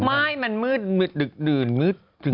ไม่มันมืดมืดดึกดื่นมืดตึง